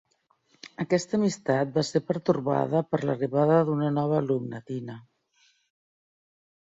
Aquesta amistat va ser pertorbada per l'arribada d'una nova alumna, Tina.